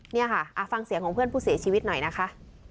นี่ค่ะฟังเสียงของเพื่อนผู้เสียชีวิตหน่อยนะคะ